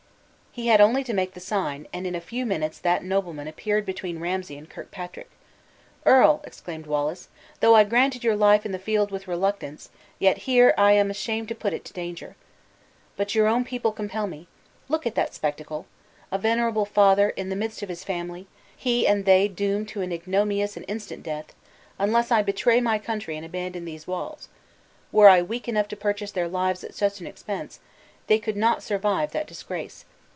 He had only to make the sign, and in a few minutes that nobleman appeared between Ramsay and Kirkpatrick. "Earl," exclaimed Wallace, "though I granted your life in the field with reluctance, yet here I am ashamed to put it in danger. But your own people compel me. Look at that spectacle. A venerable father, in the midst of his family; he and they doomed to an ignominious and instant death, unless I betray my country and abandon these walls. Were I weak enough to purchase their lives at such an expense, they could not survive that disgrace.